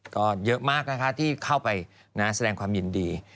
ก็เยอะมากนะคะที่เข้าไปแสดงความยินดี